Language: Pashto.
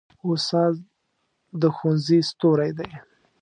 استاد د ښوونځي ستوری دی.